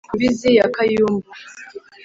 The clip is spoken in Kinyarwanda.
ku mbizi ya kayumbu